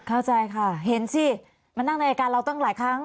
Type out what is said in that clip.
เข้าใจค่ะเห็นสิมานั่งในรายการเราตั้งหลายครั้ง